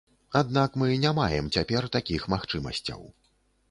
Аднак мы не маем цяпер такіх магчымасцяў.